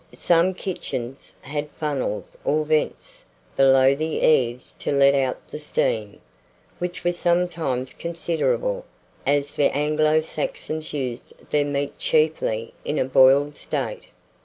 Some kitchens had funnels or vents below the eaves to let out the steam, which was sometimes considerable, as the Anglo Saxons used their meat chiefly in a boiled state.